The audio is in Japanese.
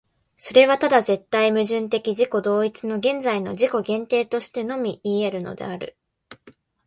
それはただ絶対矛盾的自己同一の現在の自己限定としてのみいい得るのである。